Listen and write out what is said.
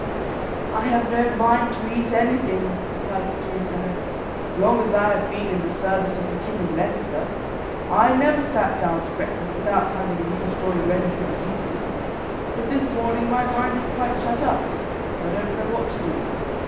"I have no mind to eat anything," replied the story teller; "long as I have been in the service of the king of Leinster, I never sat down to breakfast without having a new story ready for the evening, but this morning my mind is quite shut up, and I don't know what to do.